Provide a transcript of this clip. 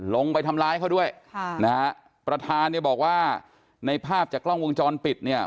ลงไปทำร้ายเขาด้วยประธานบอกว่าในภาพจากกล้องวงจรปิดเนี่ย